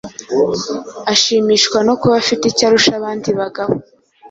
ashimishwa no kuba afite icyo arusha abandi bagabo